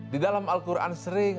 di dalam al quran sering